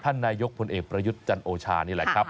นายกพลเอกประยุทธ์จันโอชานี่แหละครับ